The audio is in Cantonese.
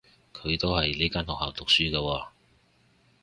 佢都喺呢間學校讀書㗎喎